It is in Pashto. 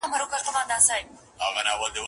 لا به څنګه ګیله من یې جهاني له خپله بخته